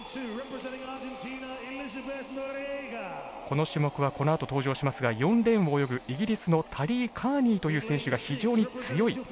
この種目はこのあと登場しますが４レーンを泳ぐイギリスのタリー・カーニーという選手が非常に強い。